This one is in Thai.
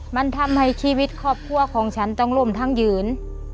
มันทำให้ชีวิตครอบครัวของฉันต้องล่มทั้งยืน